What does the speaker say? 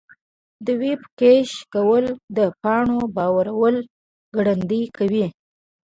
د ویب کیش کول د پاڼو بارول ګړندي کوي.